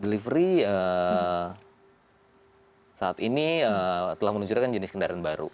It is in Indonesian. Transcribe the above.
delivery saat ini telah menunjukkan jenis kendaraan baru